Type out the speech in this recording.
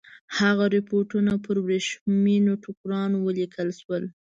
هغه رپوټونه پر ورېښمینو ټوکرانو ولیکل شول.